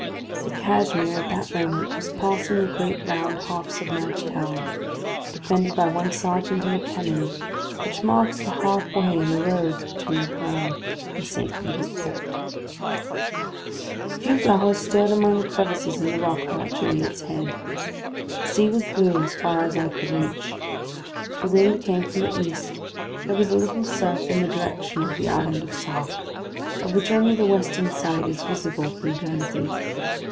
The Cashmere at that moment was passing the great round half submerged tower, defended by one sergeant and a cannon, which marks the half way in the roads between Herm and St. Peter's Port. A few flowers stirred among the crevices in the rock about Gilliatt's head. The sea was blue as far as eye could reach. The wind came from the east; there was a little surf in the direction of the island of Sark, of which only the western side is visible from Guernsey.